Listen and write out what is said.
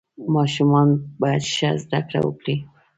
ماشومان باید ښه زده کړه وکړي.